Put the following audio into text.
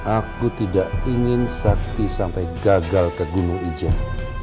aku tidak ingin sakti sampai gagal ke gunung ijen